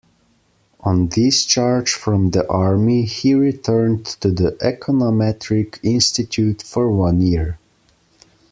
On discharge from the Army, he returned to the Econometric Institute for one year.